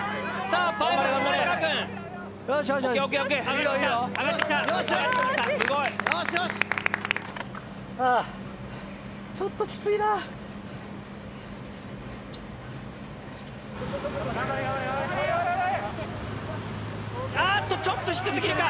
・あっとちょっと低すぎるか？